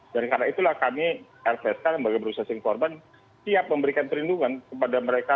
dan karena itulah kami rpsk sebagai berusaha informan siap memberikan perlindungan kepada mereka